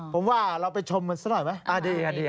ผมว่าเราไปชมมันซะหน่อยไหม